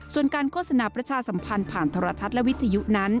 ส่วนการโฆษณาประชาสัมพันธ์ผ่านโทรทัศน์และวิทยุนั้น